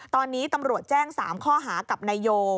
ตอนนี้ตำรวจแจ้ง๓ข้อหากับนายโย